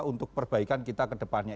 untuk perbaikan kita kedepannya